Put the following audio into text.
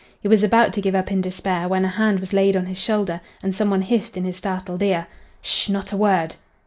He was about to give up in despair when a hand was laid on his shoulder and some one hissed in his startled ear: "Sh! Not a word!"